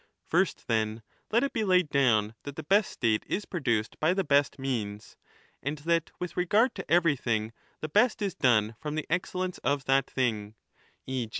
First, then, let it be laid down that the best state is produced by the best means, and that with regard to everything the best is done from the excellence of that thing (e.